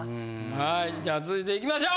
はいじゃあ続いていきましょう。